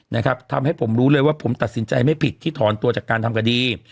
นะครับทำให้ผมรู้เลยว่าผมตัดสินใจไม่ผิดที่ถอนตัวจากการทำคดี